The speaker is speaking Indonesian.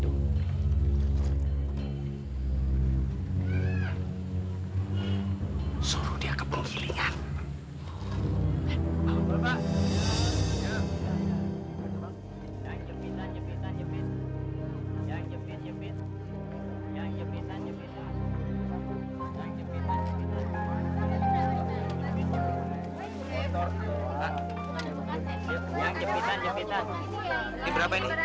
ini berapa ini